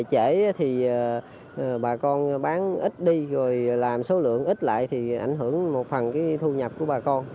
trễ thì bà con bán ít đi rồi làm số lượng ít lại thì ảnh hưởng một phần cái thu nhập của bà con